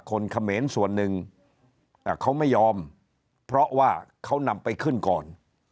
เขมรส่วนหนึ่งเขาไม่ยอมเพราะว่าเขานำไปขึ้นก่อน